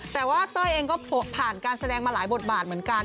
แต่ว่าเต้ยเองก็ผ่านการแสดงมาหลายบทบาทเหมือนกัน